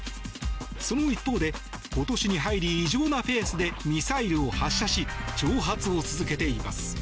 その一方で今年に入り、異常なペースでミサイルを発射し挑発を続けています。